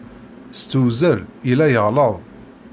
S tewzel, yella yeɣleḍ.